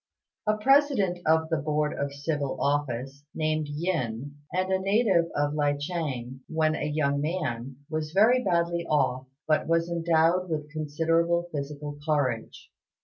A president of the Board of Civil Office, named Yin, and a native of Li ch'êng, when a young man, was very badly off, but was endowed with considerable physical courage.